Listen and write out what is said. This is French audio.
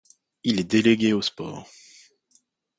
Il est délégué aux sports.